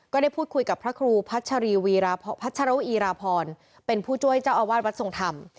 ก็ได้พูดคุยกับพระครูพัชรีวีพัชรวีราพรเป็นผู้ช่วยเจ้าอาวาสวัดทรงธรรม